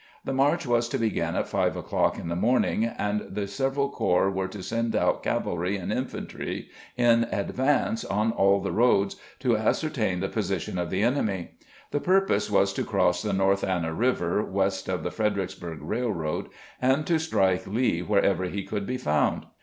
The march was to begin at five o'clock in the morning, and the several corps were to send out cavalry and infantry in advance on aU the roads to as certain the position of the enemy. The purpose was to cross the North Anna Eiver west of the Fredericksburg Railroad, and to strike Lee wherever he could be found.